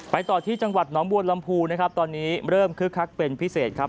ต่อที่จังหวัดหนองบัวลำพูนะครับตอนนี้เริ่มคึกคักเป็นพิเศษครับ